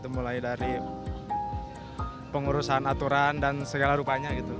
mulai dari pengurusan aturan dan segala rupanya gitu